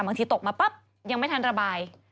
บางทีตกมาปั๊บยังไม่ทันระบาย